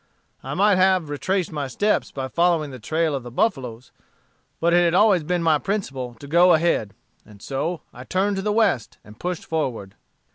I might have retraced my steps by following the trail of the buffaloes, but it had always been my principle to go ahead, and so I turned to the west and pushed forward.